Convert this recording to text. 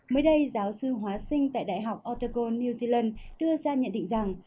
mới đây giáo sư hóa sinh tại đại học ottaco new zealand đưa ra nhận định rằng